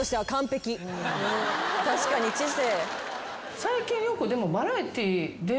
確かに知性。